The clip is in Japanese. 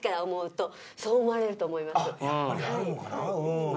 あっやっぱりあるのかなうん。